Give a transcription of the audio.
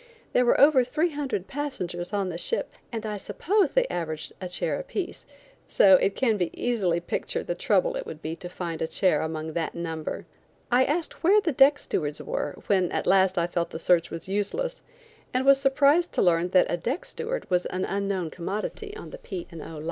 There were over three hundred passengers on the ship, and I suppose they averaged a chair apiece, so it can easily be pictured the trouble it would be to find a chair among that number. I asked where the deck stewards were when at last I felt the search was useless, and was surprised to learn that a deck steward was an unknown commodity on the P. and O.